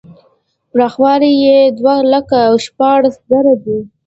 پراخوالی یې دوه لکه او شپاړس زره دی.